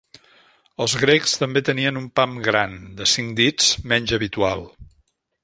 Els grecs també tenien un "pam gran" de cinc dits, menys habitual.